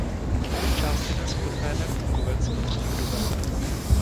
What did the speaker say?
Obě části dnes pod jménem Bukovec patří k Dubé.